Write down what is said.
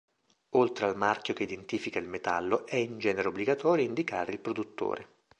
Oltre al marchio che identifica il metallo è in genere obbligatorio indicare il produttore.